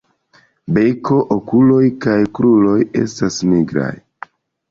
Beko, okuloj kaj kruroj estas nigraj.